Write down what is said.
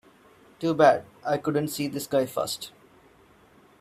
Too bad I couldn't see this guy first.